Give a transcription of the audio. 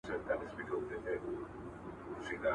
• سر چي د شال وړ وي د کشميره ور ته راځي.